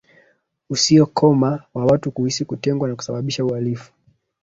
usiokoma wa watu kuhisi kutengwa na kusababisha uhalifu